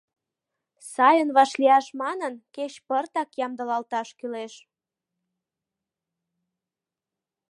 Сайын вашлияш манын, кеч пыртак ямдылалташ кӱлеш.